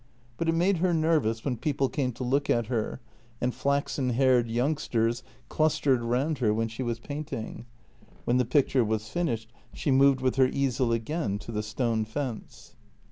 But it made her nervous when people came to look at her, and flaxen haired youngsters clustered round her when she was painting. When the picture was finished she moved with her easel again to the stone fence.